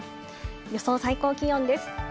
予想最高気温です。